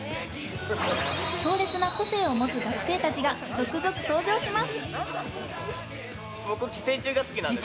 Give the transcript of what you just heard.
強烈な個性を持つ学生たちが続々登場します。